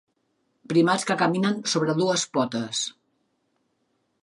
Primats que caminen sobre dues potes.